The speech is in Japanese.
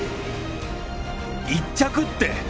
１着って！